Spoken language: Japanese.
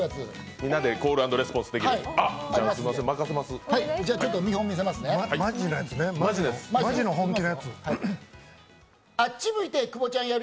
みんなでコール＆レスポンスできる。